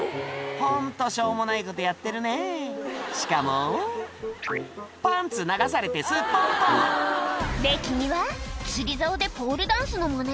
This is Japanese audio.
ホントしょうもないことやってるねぇしかもパンツ流されてすっぽんぽんで君は釣りざおでポールダンスのマネ？